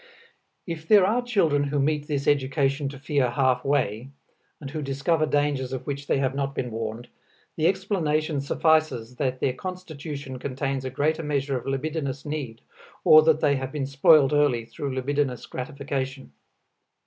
If there are children who meet this education to fear half way, and who discover dangers of which they have not been warned, the explanation suffices that their constitution contains a greater measure of libidinous need or that they have been spoiled early through libidinous gratification.